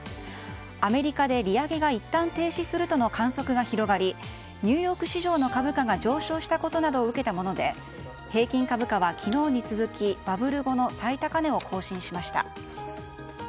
アメリカで利上げがいったん、停止するとの観測が広がりニューヨーク市場の株価が上昇したことなどを受けたもので平均株価は昨日に続きバブル後の最高値を更新しました。